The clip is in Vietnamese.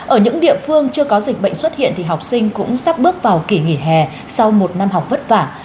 ở những địa phương chưa có dịch bệnh xuất hiện thì học sinh cũng sắp bước vào kỷ nghỉ hè sau một năm học vất vả